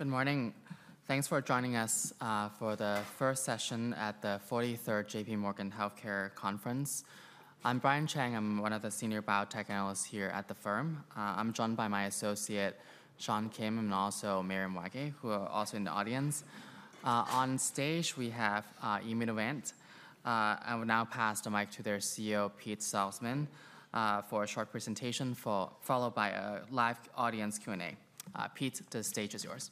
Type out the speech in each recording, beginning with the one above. Good morning. Thanks for joining us for the first session at the 43rd JPMorgan Healthcare Conference. I'm Brian Cheng. I'm one of the senior biotech analysts here at the firm. I'm joined by my associate, Sean Kim, and also Mary Maggie, who are also in the audience. On stage, we have Immunovant, and we'll now pass the mic to their CEO, Pete Salzmann, for a short presentation, followed by a live audience Q&A. Pete, the stage is yours.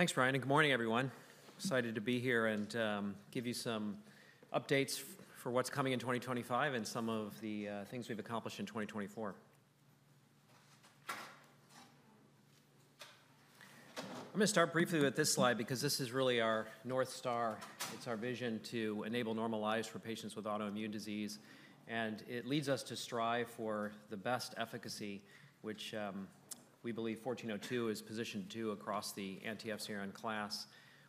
Thanks, Brian, and good morning, everyone. Excited to be here and give you some updates for what's coming in 2025 and some of the things we've accomplished in 2024. I'm going to start briefly with this slide because this is really our North Star. It's our vision to enable normal lives for patients with autoimmune disease. And it leads us to strive for the best efficacy, which we believe 1402 is positioned to across the anti-FcRn class,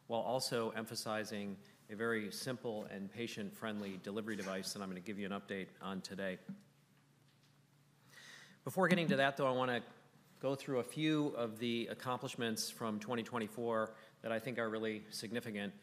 while also emphasizing a very simple and patient-friendly delivery device that I'm going to give you an update on today. Before getting to that, though, I want to go through a few of the accomplishments from 2024 that I think are really significant.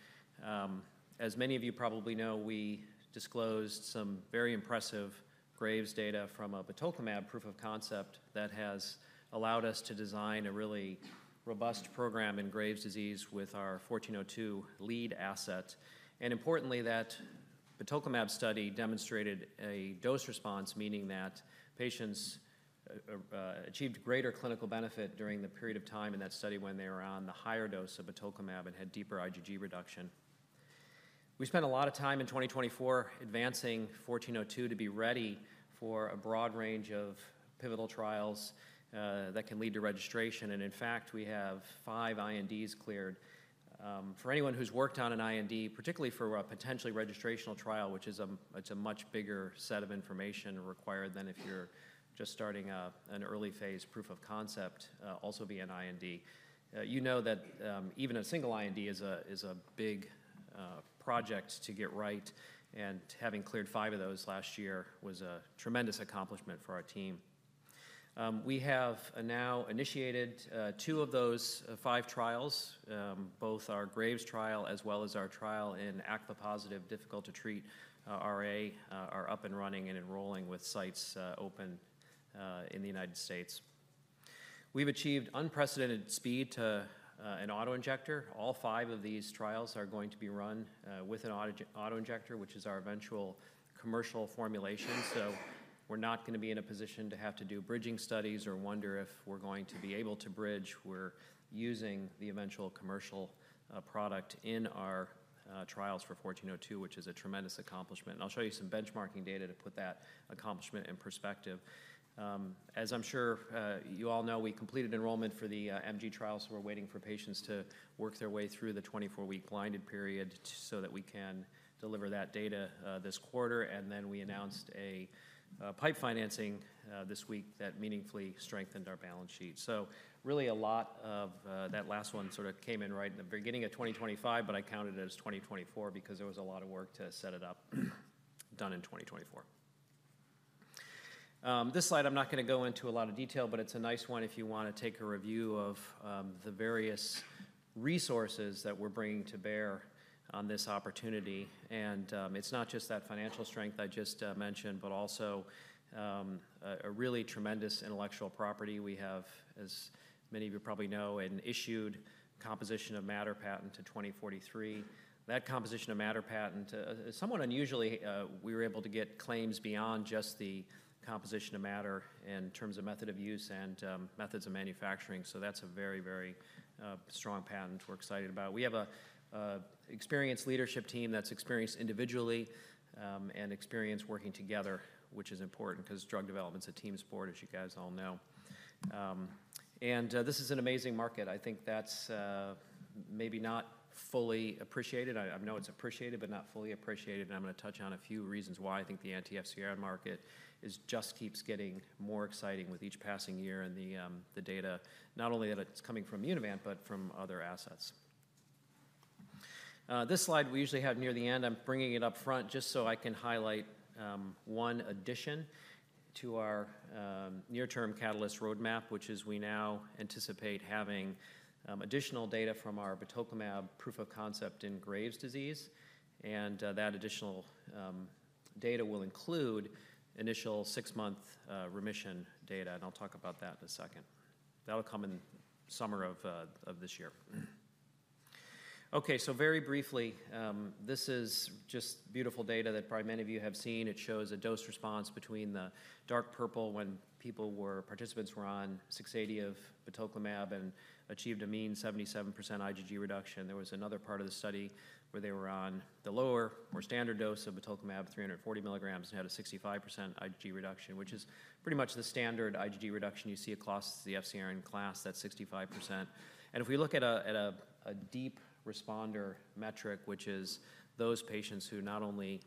As many of you probably know, we disclosed some very impressive Graves' disease data from a batoclimab proof of concept that has allowed us to design a really robust program in Graves' disease with our 1402 lead asset. And importantly, that batoclimab study demonstrated a dose response, meaning that patients achieved greater clinical benefit during the period of time in that study when they were on the higher dose of batoclimab and had deeper IgG reduction. We spent a lot of time in 2024 advancing 1402 to be ready for a broad range of pivotal trials that can lead to registration. And in fact, we have five INDs cleared. For anyone who's worked on an IND, particularly for a potentially registrational trial, which is a much bigger set of information required than if you're just starting an early phase proof of concept, also be an IND. You know that even a single IND is a big project to get right. And having cleared five of those last year was a tremendous accomplishment for our team. We have now initiated two of those five trials, both our Graves' trial as well as our trial in ACPA-positive, difficult-to-treat RA, are up and running and enrolling with sites open in the United States. We've achieved unprecedented speed to an auto-injector. All five of these trials are going to be run with an auto-injector, which is our eventual commercial formulation. So we're not going to be in a position to have to do bridging studies or wonder if we're going to be able to bridge. We're using the eventual commercial product in our trials for 1402, which is a tremendous accomplishment. And I'll show you some benchmarking data to put that accomplishment in perspective. As I'm sure you all know, we completed enrollment for the MG trials. We're waiting for patients to work their way through the 24-week blinded period so that we can deliver that data this quarter. And then we announced a PIPE financing this week that meaningfully strengthened our balance sheet. So really a lot of that last one sort of came in right in the beginning of 2025, but I counted it as 2024 because there was a lot of work to set it up done in 2024. This slide, I'm not going to go into a lot of detail, but it's a nice one if you want to take a review of the various resources that we're bringing to bear on this opportunity. And it's not just that financial strength I just mentioned, but also a really tremendous intellectual property. We have, as many of you probably know, an issued composition of matter patent to 2043. That composition of matter patent is somewhat unusually, we were able to get claims beyond just the composition of matter in terms of method of use and methods of manufacturing. So that's a very, very strong patent we're excited about. We have an experienced leadership team that's experienced individually and experienced working together, which is important because drug development's a team sport, as you guys all know. And this is an amazing market. I think that's maybe not fully appreciated. I know it's appreciated, but not fully appreciated. And I'm going to touch on a few reasons why I think the anti-FcRn market just keeps getting more exciting with each passing year and the data, not only that it's coming from Immunovant, but from other assets. This slide we usually have near the end. I'm bringing it up front just so I can highlight one addition to our near-term catalyst roadmap, which is we now anticipate having additional data from our batoclimab proof of concept in Graves' disease. And that additional data will include initial six-month remission data. And I'll talk about that in a second. That'll come in the summer of this year. Okay, so very briefly, this is just beautiful data that probably many of you have seen. It shows a dose response between the dark purple when participants were on 680 of batoclimab and achieved a mean 77% IgG reduction. There was another part of the study where they were on the lower, more standard dose of batoclimab, 340 mgs, and had a 65% IgG reduction, which is pretty much the standard IgG reduction you see across the FcRn class, that 65%. If we look at a deep responder metric, which is those patients who not only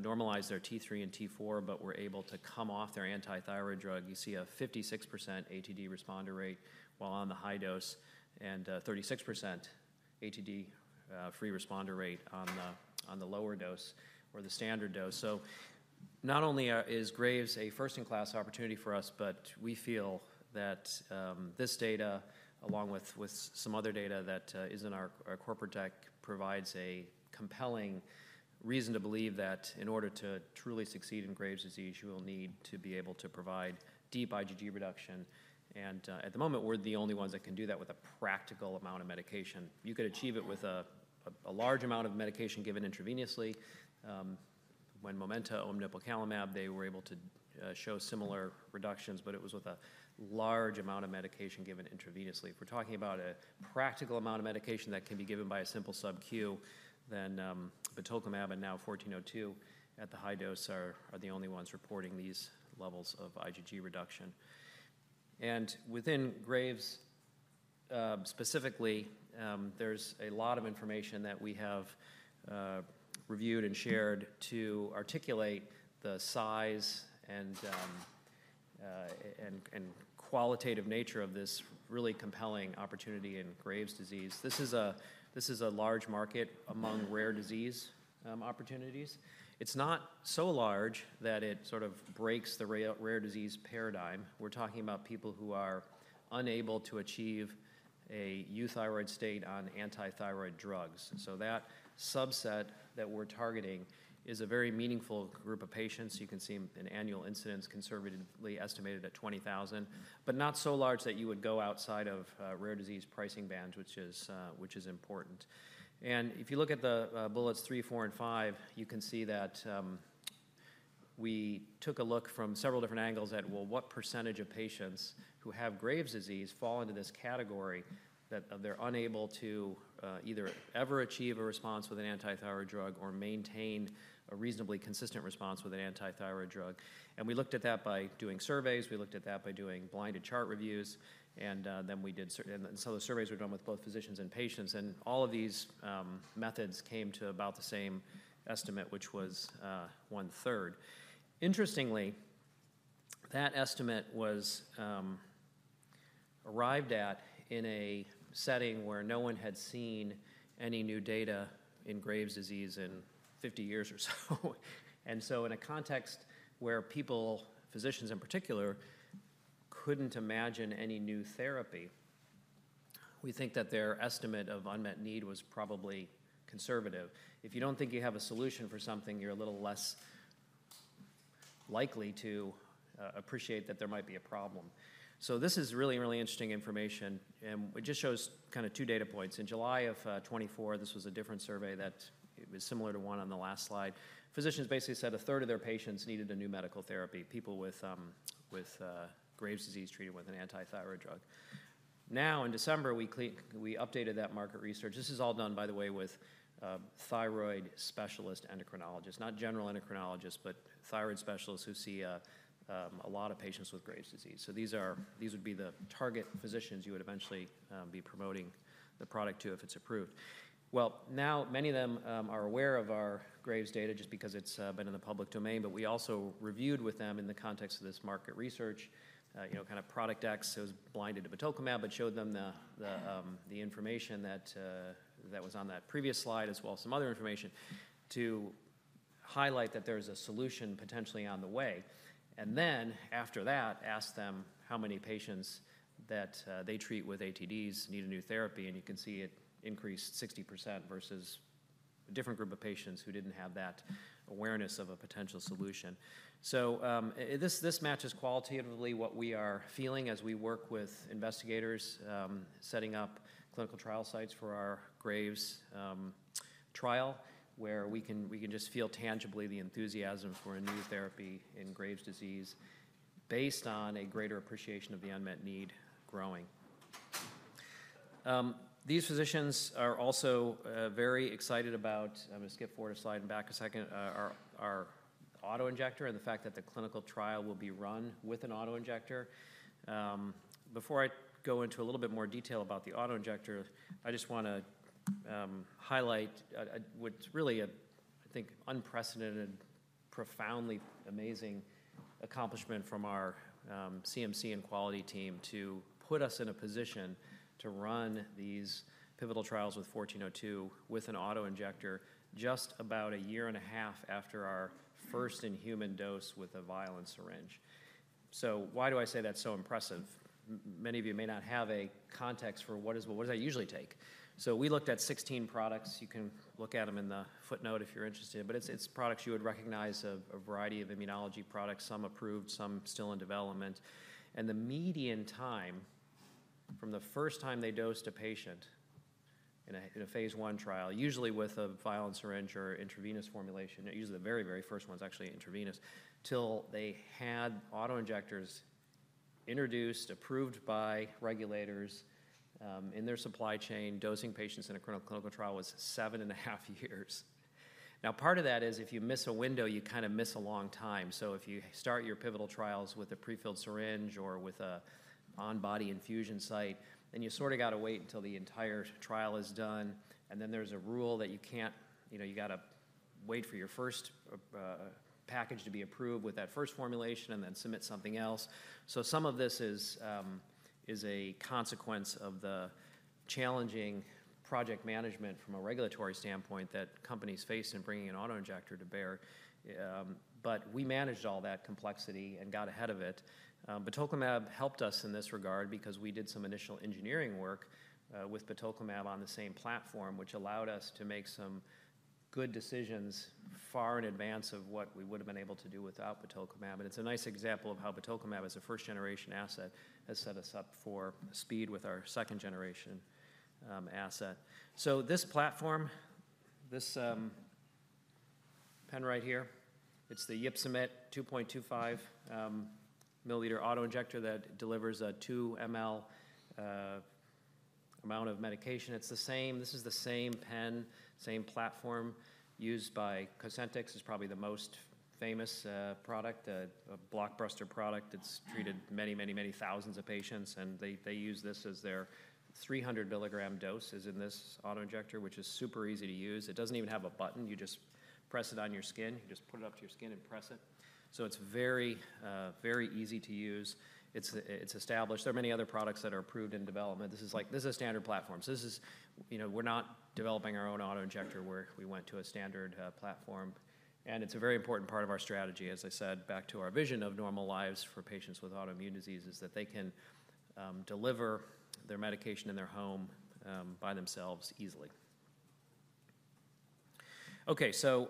normalized their T3 and T4, but were able to come off their anti-thyroid drug, you see a 56% ATD responder rate while on the high dose and 36% ATD-free responder rate on the lower dose or the standard dose. Not only is Graves' disease a first-in-class opportunity for us, but we feel that this data, along with some other data that is in our corporate deck, provides a compelling reason to believe that in order to truly succeed in Graves' disease, you will need to be able to provide deep IgG reduction. At the moment, we're the only ones that can do that with a practical amount of medication. You could achieve it with a large amount of medication given intravenously. When Momenta owned nipocalimab, they were able to show similar reductions, but it was with a large amount of medication given intravenously. If we're talking about a practical amount of medication that can be given by a simple subQ, then batoclimab and now 1402 at the high dose are the only ones reporting these levels of IgG reduction. And within Graves' specifically, there's a lot of information that we have reviewed and shared to articulate the size and qualitative nature of this really compelling opportunity in Graves' disease. This is a large market among rare disease opportunities. It's not so large that it sort of breaks the rare disease paradigm. We're talking about people who are unable to achieve a euthyroid state on anti-thyroid drugs. So that subset that we're targeting is a very meaningful group of patients. You can see an annual incidence conservatively estimated at 20,000, but not so large that you would go outside of rare disease pricing bands, which is important. And if you look at the bullets three, four, and five, you can see that we took a look from several different angles at, well, what percentage of patients who have Graves' disease fall into this category that they're unable to either ever achieve a response with an anti-thyroid drug or maintain a reasonably consistent response with an anti-thyroid drug. And we looked at that by doing surveys. We looked at that by doing blinded chart reviews. And then we did, and so the surveys were done with both physicians and patients. And all of these methods came to about the same estimate, which was 1/3. Interestingly, that estimate was arrived at in a setting where no one had seen any new data in Graves' disease in 50 years or so. And so in a context where people, physicians in particular, couldn't imagine any new therapy, we think that their estimate of unmet need was probably conservative. If you don't think you have a solution for something, you're a little less likely to appreciate that there might be a problem. So this is really, really interesting information. And it just shows kind of two data points. In July of 2024, this was a different survey that was similar to one on the last slide. Physicians basically said a 1/3 of their patients needed a new medical therapy, people with Graves' disease treated with an anti-thyroid drug. Now, in December, we updated that market research. This is all done, by the way, with thyroid specialist endocrinologists, not general endocrinologists, but thyroid specialists who see a lot of patients with Graves' disease. So these would be the target physicians you would eventually be promoting the product to if it's approved. Well, now many of them are aware of our Graves' data just because it's been in the public domain, but we also reviewed with them in the context of this market research, kind of product X, it was blinded to batoclimab, but showed them the information that was on that previous slide, as well as some other information to highlight that there's a solution potentially on the way, and then after that, asked them how many patients that they treat with ATDs need a new therapy. And you can see it increased 60% versus a different group of patients who didn't have that awareness of a potential solution. So this matches qualitatively what we are feeling as we work with investigators setting up clinical trial sites for our Graves' trial, where we can just feel tangibly the enthusiasm for a new therapy in Graves' disease based on a greater appreciation of the unmet need growing. These physicians are also very excited about. I'm going to skip forward a slide and back a second. Our auto-injector and the fact that the clinical trial will be run with an auto-injector. Before I go into a little bit more detail about the auto-injector, I just want to highlight what's really, I think, unprecedented, profoundly amazing accomplishment from our CMC and quality team to put us in a position to run these pivotal trials with 1402 with an auto-injector just about a year and a half after our first in-human dose with a vial and syringe. So why do I say that's so impressive? Many of you may not have a context for what does that usually take. So we looked at 16 products. You can look at them in the footnote if you're interested, but it's products you would recognize of a variety of immunology products, some approved, some still in development. The median time from the first time they dosed a patient in a phase I trial, usually with a vial and syringe or intravenous formulation, usually the very, very first one is actually intravenous, till they had auto-injectors introduced, approved by regulators in their supply chain, dosing patients in a clinical trial was seven and a half years. Now, part of that is if you miss a window, you kind of miss a long time. So if you start your pivotal trials with a prefilled syringe or with an on-body infusion site, then you sort of got to wait until the entire trial is done. And then there's a rule that you can't, you got to wait for your first package to be approved with that first formulation and then submit something else. Some of this is a consequence of the challenging project management from a regulatory standpoint that companies face in bringing an auto-injector to bear. But we managed all that complexity and got ahead of it. Batoclimab helped us in this regard because we did some initial engineering work with batoclimab on the same platform, which allowed us to make some good decisions far in advance of what we would have been able to do without batoclimab. And it's a nice example of how batoclimab as a first-generation asset has set us up for speed with our second-generation asset. So this platform, this pen right here, it's the YpsoMate 2.25 mL auto-injector that delivers a 2 mL amount of medication. It's the same. This is the same pen, same platform used by Cosentyx. It's probably the most famous product, a blockbuster product. It's treated many, many, many thousands of patients, and they use this as their 300 milligram dose is in this auto-injector, which is super easy to use. It doesn't even have a button. You just press it on your skin. You just put it up to your skin and press it, so it's very, very easy to use. It's established. There are many other products that are approved in development. This is like this is a standard platform, so this is. We're not developing our own auto-injector. We went to a standard platform, and it's a very important part of our strategy, as I said, back to our vision of normal lives for patients with autoimmune diseases that they can deliver their medication in their home by themselves easily. Okay, so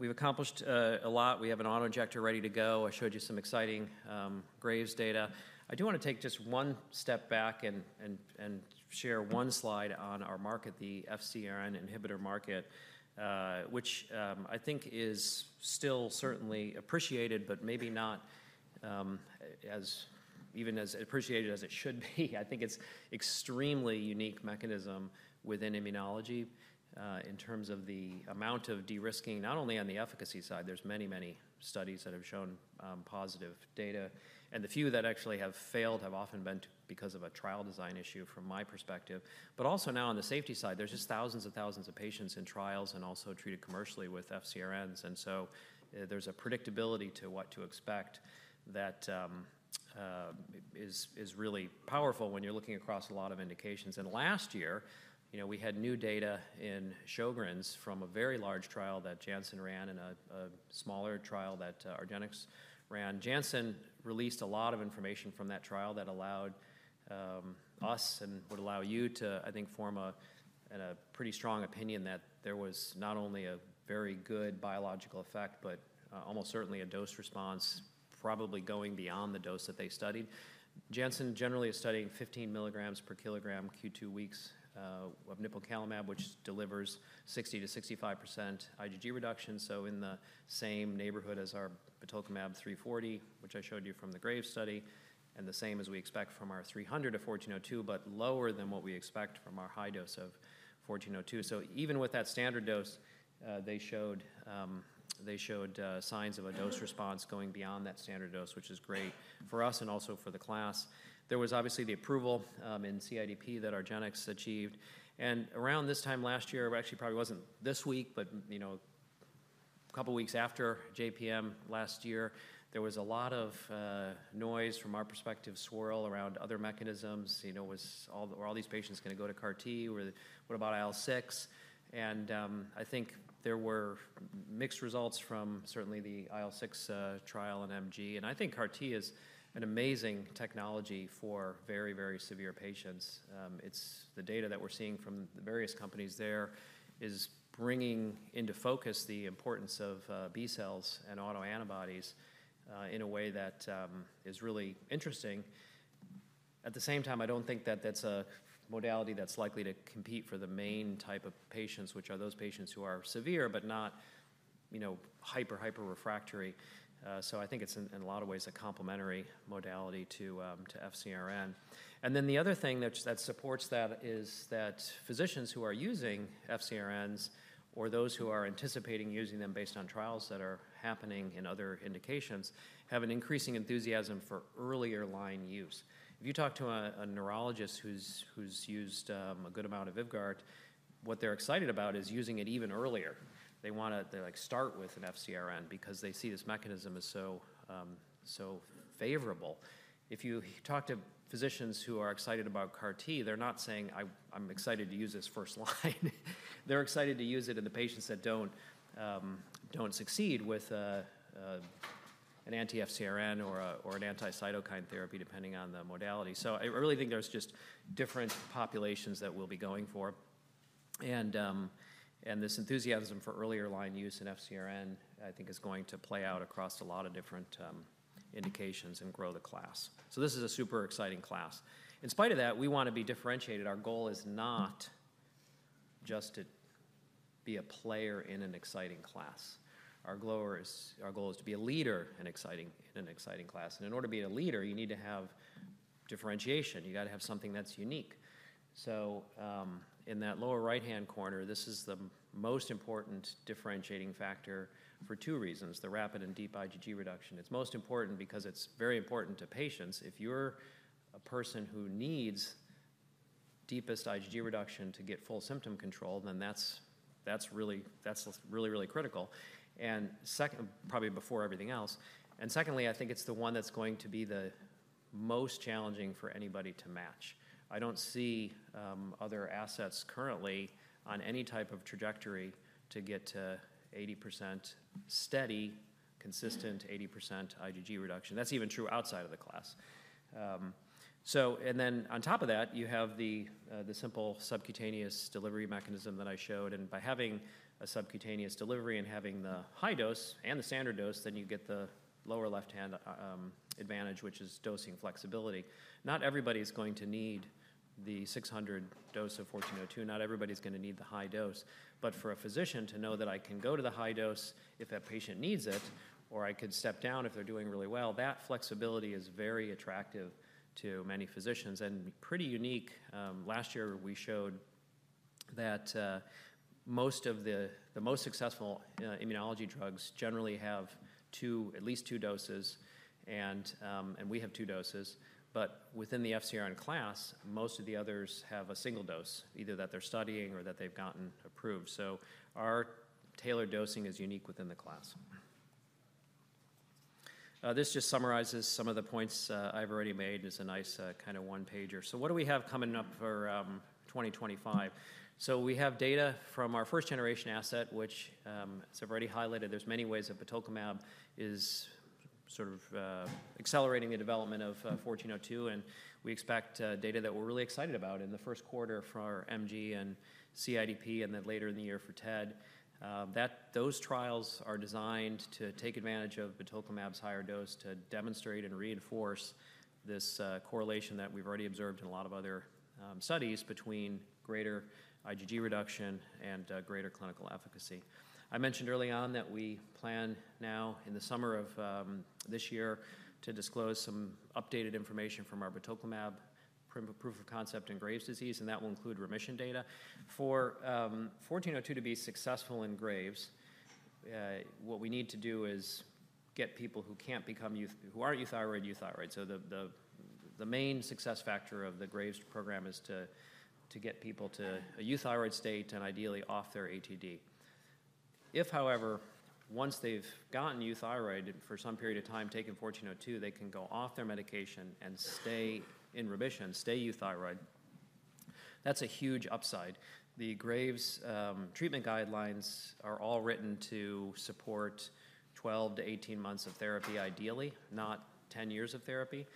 we've accomplished a lot. We have an auto-injector ready to go. I showed you some exciting Graves' data. I do want to take just one step back and share one slide on our market, the FcRn inhibitor market, which I think is still certainly appreciated, but maybe not as even as appreciated as it should be. I think it's an extremely unique mechanism within immunology in terms of the amount of de-risking, not only on the efficacy side. There's many, many studies that have shown positive data and the few that actually have failed have often been because of a trial design issue from my perspective, but also now on the safety side, there's just thousands and thousands of patients in trials and also treated commercially with FcRns, and so there's a predictability to what to expect that is really powerful when you're looking across a lot of indications. Last year, we had new data in Sjögren's from a very large trial that Janssen ran and a smaller trial that Argenx ran. Janssen released a lot of information from that trial that allowed us and would allow you to, I think, form a pretty strong opinion that there was not only a very good biological effect, but almost certainly a dose response probably going beyond the dose that they studied. Janssen generally is studying 15 mg/kg q2 weeks of nipocalimab, which delivers 60%-65% IgG reduction. In the same neighborhood as our batoclimab 340, which I showed you from the Graves study, and the same as we expect from our 300 of 1402, but lower than what we expect from our high dose of 1402. So even with that standard dose, they showed signs of a dose response going beyond that standard dose, which is great for us and also for the class. There was obviously the approval in CIDP that Argenx achieved. And around this time last year, actually probably wasn't this week, but a couple of weeks after JPM last year, there was a lot of noise from our perspective, swirl around other mechanisms. Were all these patients going to go to CAR-T? What about IL-6? And I think there were mixed results from certainly the IL-6 trial and MG. And I think CAR-T is an amazing technology for very, very severe patients. The data that we're seeing from the various companies there is bringing into focus the importance of B-cells and autoantibodies in a way that is really interesting. At the same time, I don't think that that's a modality that's likely to compete for the main type of patients, which are those patients who are severe, but not hyper-hyper-refractory. So I think it's in a lot of ways a complementary modality to FcRn. And then the other thing that supports that is that physicians who are using FcRns or those who are anticipating using them based on trials that are happening in other indications have an increasing enthusiasm for earlier line use. If you talk to a neurologist who's used a good amount of Vyvgart, what they're excited about is using it even earlier. They want to start with an FcRn because they see this mechanism is so favorable. If you talk to physicians who are excited about CAR-T, they're not saying, "I'm excited to use this first line." They're excited to use it in the patients that don't succeed with an anti-FcRn or an anti-cytokine therapy, depending on the modality. So I really think there's just different populations that we'll be going for. And this enthusiasm for earlier line use in FcRn, I think, is going to play out across a lot of different indications and grow the class. So this is a super exciting class. In spite of that, we want to be differentiated. Our goal is not just to be a player in an exciting class. Our goal is to be a leader in an exciting class. And in order to be a leader, you need to have differentiation. You got to have something that's unique. So in that lower right-hand corner, this is the most important differentiating factor for two reasons: the rapid and deep IgG reduction. It's most important because it's very important to patients. If you're a person who needs deepest IgG reduction to get full symptom control, then that's really, really critical. And probably before everything else. And secondly, I think it's the one that's going to be the most challenging for anybody to match. I don't see other assets currently on any type of trajectory to get to 80% steady, consistent 80% IgG reduction. That's even true outside of the class. And then on top of that, you have the simple subcutaneous delivery mechanism that I showed. And by having a subcutaneous delivery and having the high dose and the standard dose, then you get the lower left-hand advantage, which is dosing flexibility. Not everybody is going to need the 600 dose of 1402. Not everybody's going to need the high dose. But for a physician to know that I can go to the high dose if that patient needs it, or I could step down if they're doing really well, that flexibility is very attractive to many physicians and pretty unique. Last year, we showed that most of the most successful immunology drugs generally have at least two doses, and we have two doses. But within the FcRn class, most of the others have a single dose, either that they're studying or that they've gotten approved. So our tailored dosing is unique within the class. This just summarizes some of the points I've already made as a nice kind of one-pager. So what do we have coming up for 2025? So we have data from our first-generation asset, which I've already highlighted. There are many ways that batoclimab is sort of accelerating the development of 1402, and we expect data that we're really excited about in the first quarter for MG and CIDP and then later in the year for TED. Those trials are designed to take advantage of batoclimab's higher dose to demonstrate and reinforce this correlation that we've already observed in a lot of other studies between greater IgG reduction and greater clinical efficacy. I mentioned early on that we plan now in the summer of this year to disclose some updated information from our batoclimab proof of concept in Graves' disease, and that will include remission data. For 1402 to be successful in Graves', what we need to do is get people who can't become euthyroid who aren't euthyroid, euthyroid. The main success factor of the Graves program is to get people to a euthyroid state and ideally off their ATD. If, however, once they've gotten euthyroid for some period of time, taken 1402, they can go off their medication and stay in remission, stay euthyroid, that's a huge upside. The Graves treatment guidelines are all written to support 12 months-18 months of therapy, ideally, not 10 years of therapy.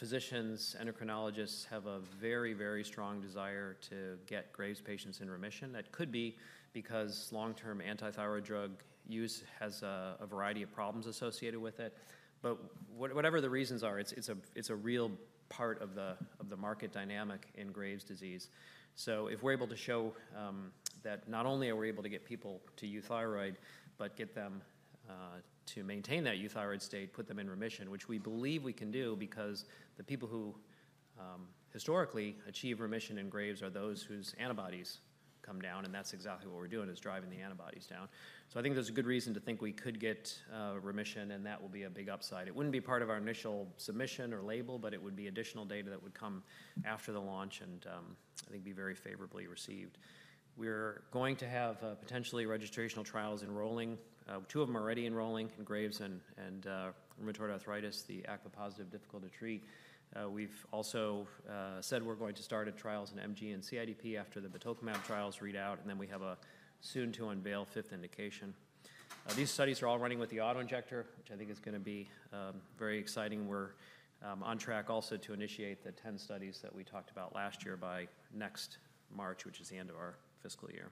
Physicians, endocrinologists have a very, very strong desire to get Graves patients in remission. That could be because long-term anti-thyroid drug use has a variety of problems associated with it. Whatever the reasons are, it's a real part of the market dynamic in Graves' disease. So if we're able to show that not only are we able to get people to euthyroid, but get them to maintain that euthyroid state, put them in remission, which we believe we can do because the people who historically achieve remission in Graves are those whose antibodies come down. And that's exactly what we're doing, is driving the antibodies down. So I think there's a good reason to think we could get remission, and that will be a big upside. It wouldn't be part of our initial submission or label, but it would be additional data that would come after the launch and I think be very favorably received. We're going to have potentially registrational trials enrolling. Two of them are already enrolling in Graves' and rheumatoid arthritis, the ACPA-positive, difficult to treat. We've also said we're going to start the trials in MG and CIDP after the batoclimab trials read out, and then we have a soon-to-unveil fifth indication. These studies are all running with the auto-injector, which I think is going to be very exciting. We're on track also to initiate the 10 studies that we talked about last year by next March, which is the end of our fiscal year.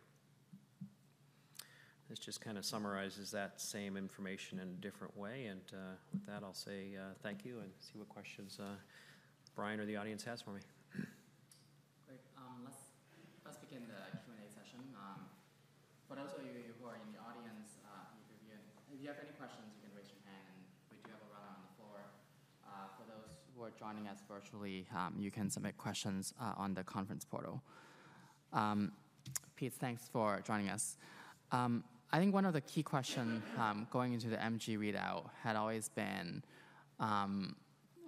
This just kind of summarizes that same information in a different way, and with that, I'll say thank you and see what questions Brian or the audience has for me. Great. Let's begin the Q&A session. For those of you who are in the audience, if you have any questions, you can raise your hand, and we do have a runner on the floor. For those who are joining us virtually, you can submit questions on the conference portal. Pete, thanks for joining us. I think one of the key questions going into the MG readout had always been,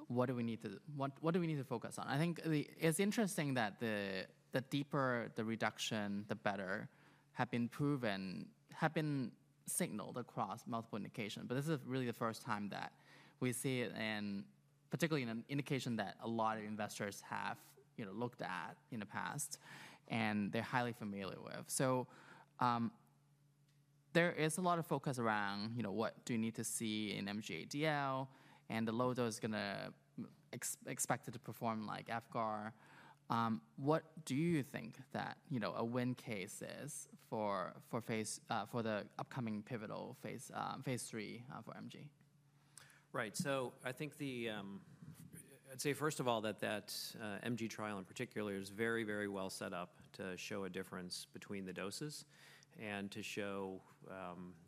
what do we need to focus on? I think it's interesting that the deeper the reduction, the better have been signaled across multiple indications. But this is really the first time that we see it, particularly in an indication that a lot of investors have looked at in the past and they're highly familiar with. There is a lot of focus around what do you need to see in MG-ADL and the low dose going to expect it to perform like efgartigimod. What do you think that a win case is for the upcoming pivotal phase III for MG? Right. So I think that, I'd say, first of all, that the MG trial in particular is very, very well set up to show a difference between the doses and to show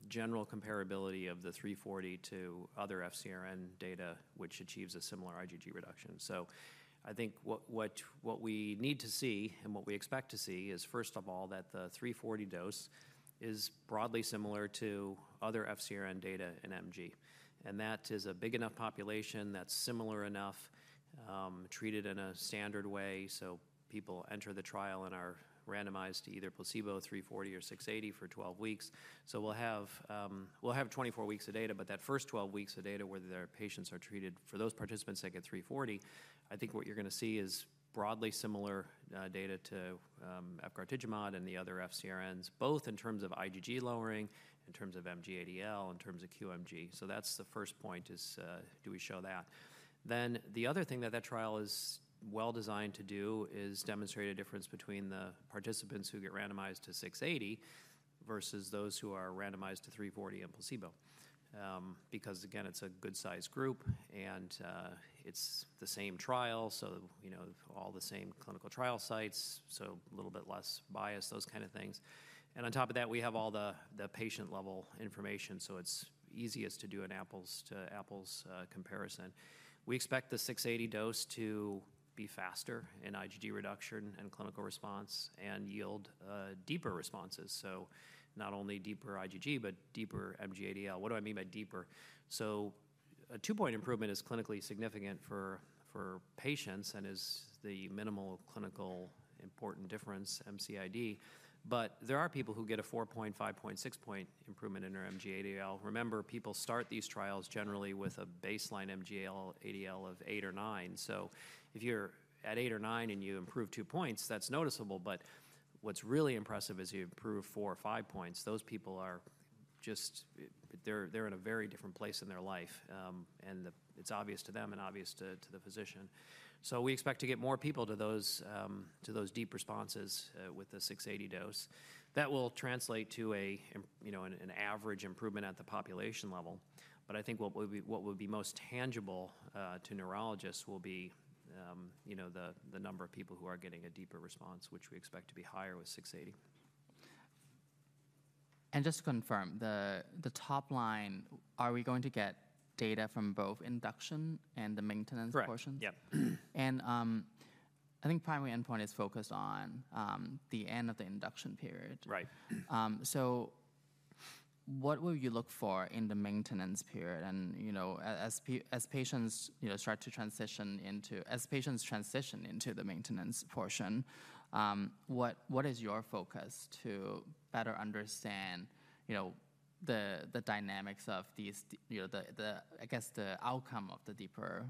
general comparability of the 340 to other FcRn data, which achieves a similar IgG reduction, so I think what we need to see and what we expect to see is, first of all, that the 340 dose is broadly similar to other FcRn data in MG, and that is a big enough population that's similar enough treated in a standard way, so people enter the trial and are randomized to either placebo, 340, or 680 for 12 weeks. So we'll have 24 weeks of data, but that first 12 weeks of data where the patients are treated for those participants that get 340, I think what you're going to see is broadly similar data to efgartigimod and the other FcRNs, both in terms of IgG lowering, in terms of MG-ADL, in terms of QMG. So that's the first point is do we show that? Then the other thing that, that trial is well designed to do is demonstrate a difference between the participants who get randomized to 680 versus those who are randomized to 340 and placebo. Because, again, it's a good-sized group and it's the same trial, so all the same clinical trial sites, so a little bit less bias, those kind of things. And on top of that, we have all the patient-level information, so it's easiest to do an apples-to-apples comparison. We expect the 680 dose to be faster in IgG reduction and clinical response and yield deeper responses. So not only deeper IgG, but deeper MG-ADL. What do I mean by deeper? So a two-point improvement is clinically significant for patients and is the minimal clinically important difference, MCID. But there are people who get a four-point, five-point, six-point improvement in their MG-ADL. Remember, people start these trials generally with a baseline MG-ADL of eight or nine. So if you're at eight or nine and you improve two points, that's noticeable. But what's really impressive is you improve four or five points. Those people are just, they're in a very different place in their life. And it's obvious to them and obvious to the physician. So we expect to get more people to those deep responses with the 680 dose. That will translate to an average improvement at the population level. But I think what will be most tangible to neurologists will be the number of people who are getting a deeper response, which we expect to be higher with 680. Just to confirm, the top line, are we going to get data from both induction and the maintenance portion? Right. Yeah. I think primary endpoint is focused on the end of the induction period. Right. What will you look for in the maintenance period? As patients start to transition into the maintenance portion, what is your focus to better understand the dynamics of these, I guess, the outcome of the deeper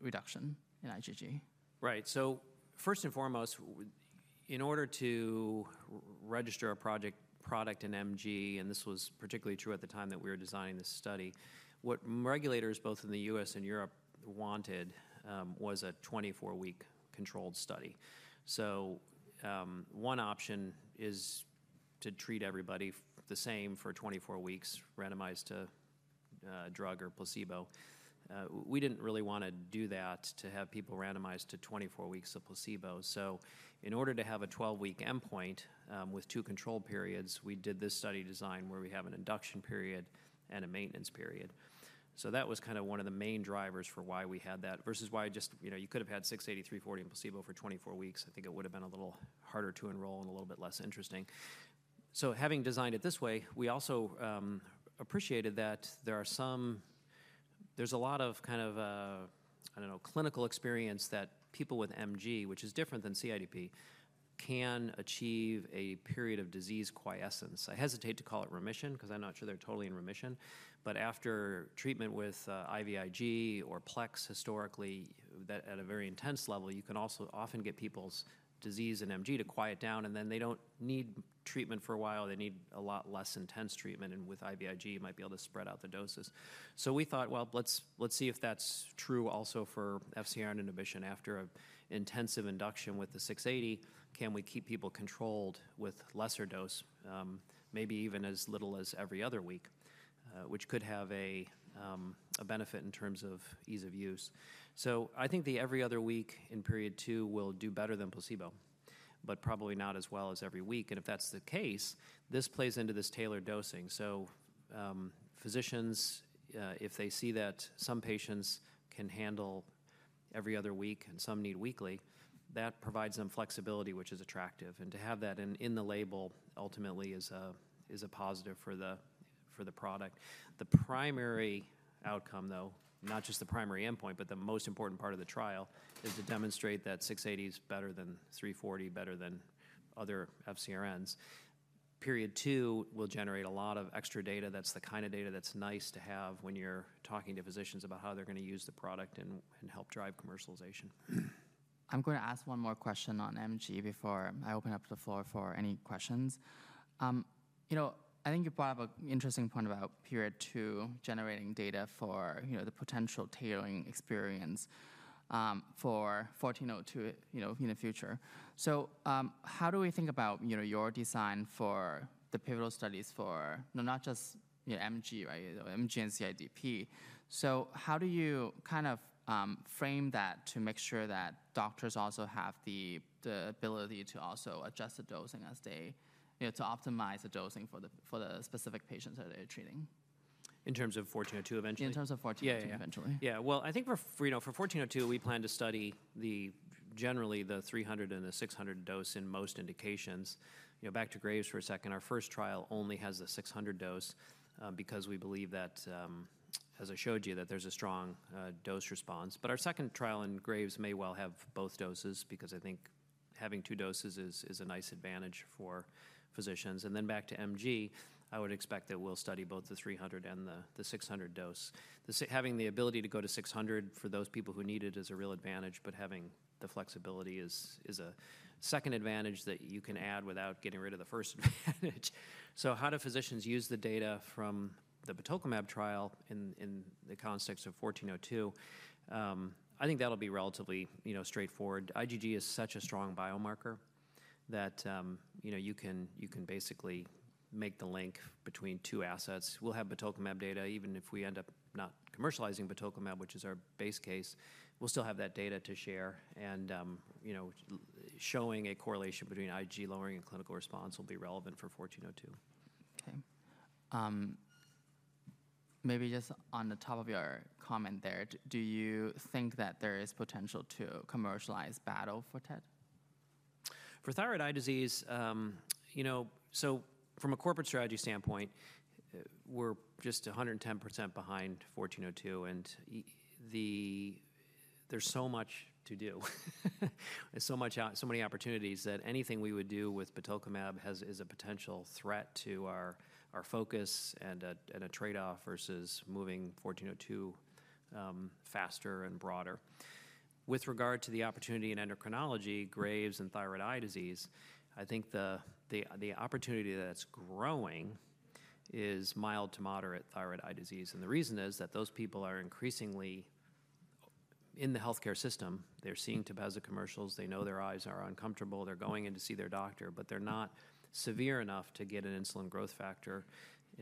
reduction in IgG? Right. So first and foremost, in order to register a project product in MG, and this was particularly true at the time that we were designing this study, what regulators both in the U.S. and Europe wanted was a 24-week controlled study. So one option is to treat everybody the same for 24 weeks, randomized to drug or placebo. We didn't really want to do that to have people randomized to 24 weeks of placebo. So in order to have a 12-week endpoint with two control periods, we did this study design where we have an induction period and a maintenance period. So that was kind of one of the main drivers for why we had that versus why just you could have had 680, 340, and placebo for 24 weeks. I think it would have been a little harder to enroll and a little bit less interesting. Having designed it this way, we also appreciated that there are some, there's a lot of kind of, I don't know, clinical experience that people with MG, which is different than CIDP, can achieve a period of disease quiescence. I hesitate to call it remission because I'm not sure they're totally in remission. But after treatment with IVIG or PLEX historically at a very intense level, you can also often get people's disease in MG to quiet down, and then they don't need treatment for a while. They need a lot less intense treatment. And with IVIG, you might be able to spread out the doses. We thought, well, let's see if that's true also for FcRn inhibition. After intensive induction with the 680, can we keep people controlled with lesser dose, maybe even as little as every other week, which could have a benefit in terms of ease of use? So I think the every other week in period two will do better than placebo, but probably not as well as every week. And if that's the case, this plays into this tailored dosing. So physicians, if they see that some patients can handle every other week and some need weekly, that provides them flexibility, which is attractive. And to have that in the label ultimately is a positive for the product. The primary outcome, though, not just the primary endpoint, but the most important part of the trial is to demonstrate that 680 is better than 340, better than other FcRNs. Period two will generate a lot of extra data. That's the kind of data that's nice to have when you're talking to physicians about how they're going to use the product and help drive commercialization. I'm going to ask one more question on MG before I open up the floor for any questions. I think you brought up an interesting point about phase II generating data for the potential tailoring experience for 1402 in the future. So how do we think about your design for the pivotal studies for not just MG, right, MG and CIDP? So how do you kind of frame that to make sure that doctors also have the ability to also adjust the dosing as they to optimize the dosing for the specific patients that they're treating? In terms of 1402 eventually? In terms of 1402 eventually. Yeah. Yeah. Well, I think for 1402, we plan to study generally the 300 and the 600 dose in most indications. Back to Graves for a second, our first trial only has the 600 dose because we believe that, as I showed you, that there's a strong dose response. But our second trial in Graves may well have both doses because I think having two doses is a nice advantage for physicians. And then back to MG, I would expect that we'll study both the 300 and the 600 dose. Having the ability to go to 600 for those people who need it is a real advantage, but having the flexibility is a second advantage that you can add without getting rid of the first advantage. So how do physicians use the data from the batoclimab trial in the context of 1402? I think that'll be relatively straightforward. IgG is such a strong biomarker that you can basically make the link between two assets. We'll have batoclimab data. Even if we end up not commercializing batoclimab, which is our base case, we'll still have that data to share, and showing a correlation between IgG lowering and clinical response will be relevant for 1402. Okay. Maybe just on the top of your comment there, do you think that there is potential to commercialize batoclimab for TED? For thyroid eye disease, so from a corporate strategy standpoint, we're just 110% behind 1402. And there's so much to do. There's so many opportunities that anything we would do with batoclimab is a potential threat to our focus and a trade-off versus moving 1402 faster and broader. With regard to the opportunity in endocrinology, Graves' and thyroid eye disease, I think the opportunity that's growing is mild to moderate thyroid eye disease. And the reason is that those people are increasingly in the healthcare system. They're seeing Tepezza commercials. They know their eyes are uncomfortable. They're going in to see their doctor, but they're not severe enough to get an insulin-like growth factor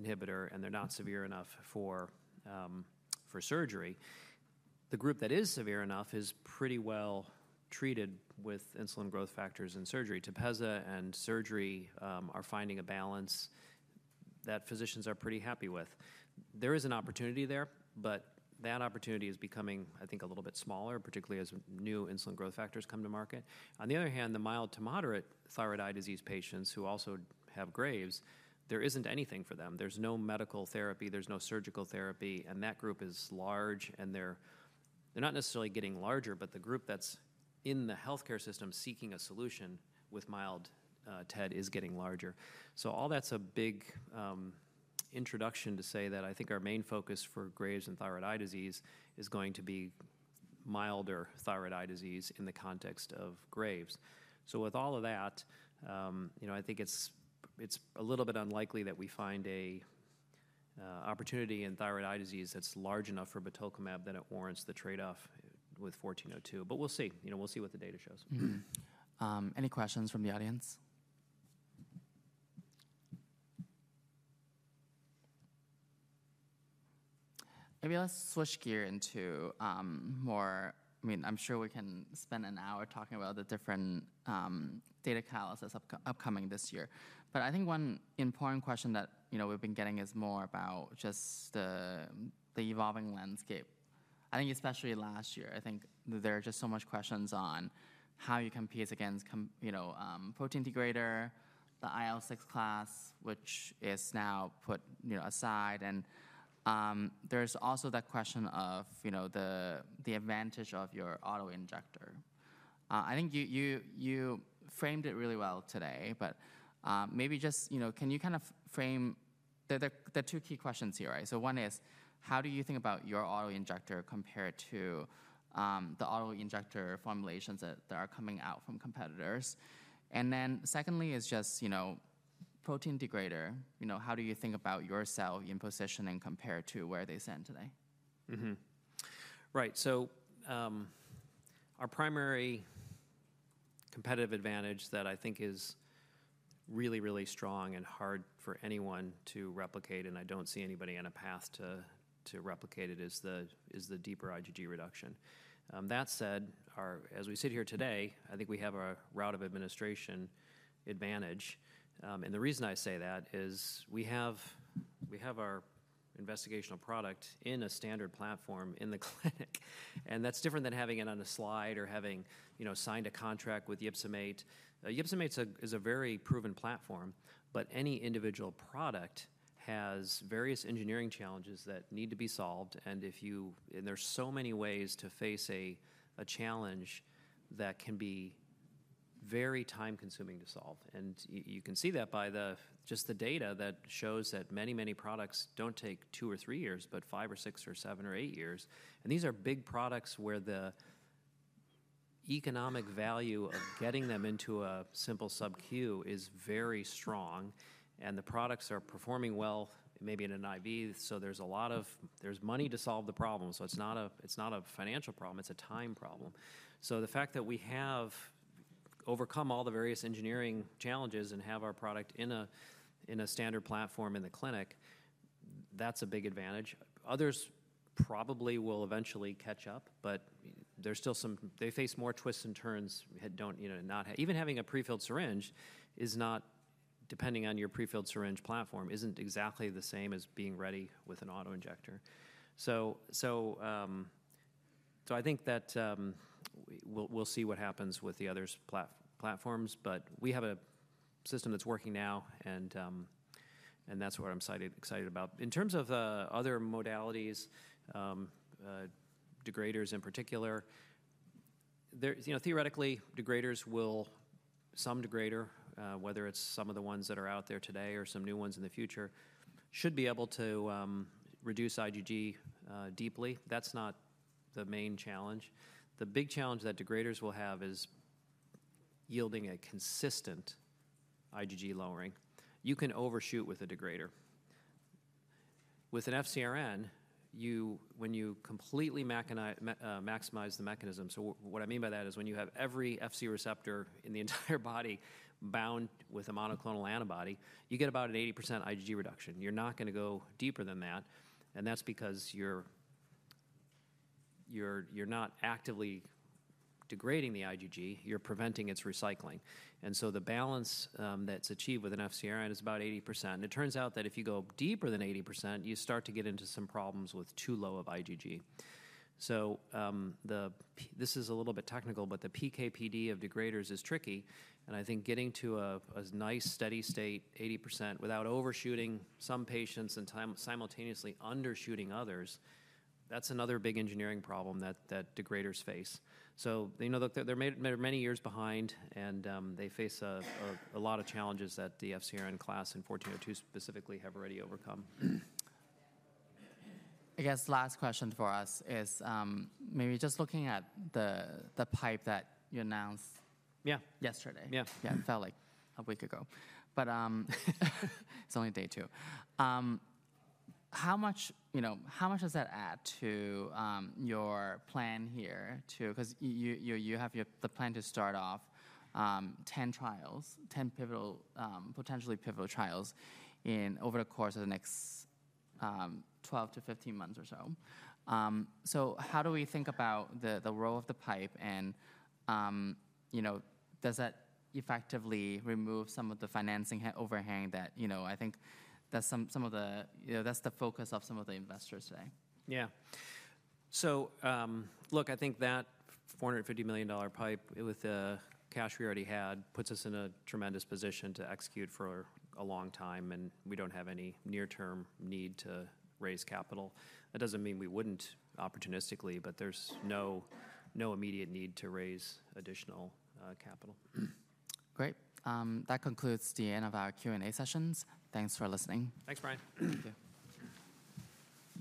inhibitor, and they're not severe enough for surgery. The group that is severe enough is pretty well treated with insulin-like growth factors and surgery. Tepezza and surgery are finding a balance that physicians are pretty happy with. There is an opportunity there, but that opportunity is becoming, I think, a little bit smaller, particularly as new insulin-like growth factors come to market. On the other hand, the mild to moderate thyroid eye disease patients who also have Graves', there isn't anything for them. There's no medical therapy. There's no surgical therapy. And that group is large, and they're not necessarily getting larger, but the group that's in the healthcare system seeking a solution with mild TED is getting larger. So all that's a big introduction to say that I think our main focus for Graves' and thyroid eye disease is going to be milder thyroid eye disease in the context of Graves'. So with all of that, I think it's a little bit unlikely that we find an opportunity in thyroid eye disease that's large enough for batoclimab that it warrants the trade-off with 1402. But we'll see. We'll see what the data shows. Any questions from the audience? Maybe let's switch gears into more I mean, I'm sure we can spend an hour talking about the different data catalysts upcoming this year. But I think one important question that we've been getting is more about just the evolving landscape. I think especially last year, I think there are just so many questions on how you compete against protein degrader, the IL-6 class, which is now put aside. And there's also that question of the advantage of your auto-injector. I think you framed it really well today, but maybe just can you kind of frame there are two key questions here, right? So one is, how do you think about your auto-injector compared to the auto-injector formulations that are coming out from competitors? And then, secondly, it's just protein degrader, how do you think about yourself in position and compared to where they stand today? Right. So our primary competitive advantage that I think is really, really strong and hard for anyone to replicate, and I don't see anybody on a path to replicate it, is the deeper IgG reduction. That said, as we sit here today, I think we have a route of administration advantage. And the reason I say that is we have our investigational product in a standard platform in the clinic. And that's different than having it on a slide or having signed a contract with YpsoMate. YpsoMate is a very proven platform, but any individual product has various engineering challenges that need to be solved. And there are so many ways to face a challenge that can be very time-consuming to solve. You can see that by just the data that shows that many, many products don't take two or three years, but five or six or seven or eight years. These are big products where the economic value of getting them into a simple subQ is very strong. The products are performing well, maybe in an IV. There's a lot of money to solve the problem. It's not a financial problem. It's a time problem. The fact that we have overcome all the various engineering challenges and have our product in a standard platform in the clinic, that's a big advantage. Others probably will eventually catch up, but there's still some they face more twists and turns. Even having a prefilled syringe is not. Depending on your prefilled syringe platform isn't exactly the same as being ready with an auto-injector. So I think that we'll see what happens with the other platforms. But we have a system that's working now, and that's what I'm excited about. In terms of other modalities, degraders in particular, theoretically, degraders will some degrader, whether it's some of the ones that are out there today or some new ones in the future, should be able to reduce IgG deeply. That's not the main challenge. The big challenge that degraders will have is yielding a consistent IgG lowering. You can overshoot with a degrader. With an FcRn, when you completely maximize the mechanism, so what I mean by that is when you have every Fc receptor in the entire body bound with a monoclonal antibody, you get about an 80% IgG reduction. You're not going to go deeper than that. And that's because you're not actively degrading the IgG. You're preventing its recycling. And so the balance that's achieved with an FcRn is about 80%. And it turns out that if you go deeper than 80%, you start to get into some problems with too low of IgG. So this is a little bit technical, but the PK/PD of degraders is tricky. And I think getting to a nice steady state, 80%, without overshooting some patients and simultaneously undershooting others, that's another big engineering problem that degraders face. So they're many years behind, and they face a lot of challenges that the FcRn class and 1402 specifically have already overcome. I guess last question for us is maybe just looking at the pipe that you announced yesterday. Yeah. Yeah, it felt like a week ago, but it's only day two. How much does that add to your plan here? Because you have the plan to start off 10 trials, 10 potentially pivotal trials over the course of the next 12 months-15 months or so. So how do we think about the role of the pipe? And does that effectively remove some of the financing overhang that I think that's some of the focus of some of the investors today? Yeah. So look, I think that $450 million pipe with the cash we already had puts us in a tremendous position to execute for a long time. And we don't have any near-term need to raise capital. That doesn't mean we wouldn't opportunistically, but there's no immediate need to raise additional capital. Great. That concludes the end of our Q&A sessions. Thanks for listening. Thanks, Brian. Thank you.